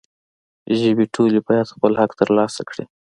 ټولې ژبې باید خپل حق ترلاسه کړي